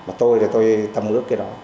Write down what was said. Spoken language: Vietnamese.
mà tôi thì tôi tâm ước cái đó